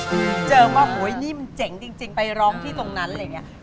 เริ่มว่าโอ้ยนี่มันเจ๋งจริงไปร้องที่ตรงนั้นอะไรอย่างนี้